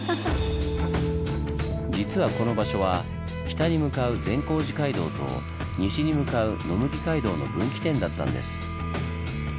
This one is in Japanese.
実はこの場所は北に向かう善光寺街道と西に向かう野麦街道の分岐点だったんです。